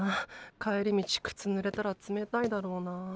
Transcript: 帰り道クツ濡れたら冷たいだろうなー。